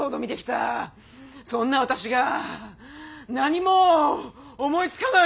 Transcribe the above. そんな私が何も思いつかない！